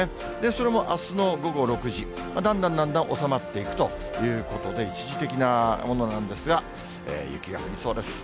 それもあすの午後６時、だんだんだんだん、収まっていくということで、一時的なものなんですが、雪が降りそうです。